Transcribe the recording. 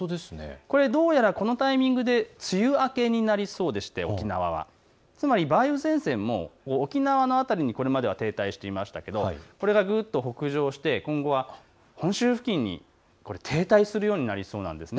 どうやら、このタイミングで梅雨明けになりそうでして梅雨前線も沖縄の辺りにこれまでは停滞していましたけどこれが北上して今後は本州付近に停滞するようになりそうなんですね。